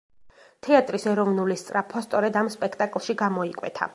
თეატრის ეროვნული სწრაფვა სწორედ ამ სპექტაკლში გამოიკვეთა.